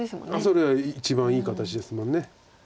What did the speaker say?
それは一番いい形ですもんね。